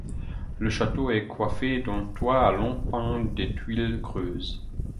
Le château est coiffé d'un toit à long pan de tuiles creuses.